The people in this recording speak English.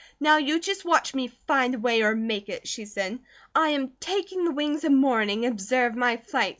"Now you just watch me 'find a way or make it,'" she said. "I am 'taking the wings of morning,' observe my flight!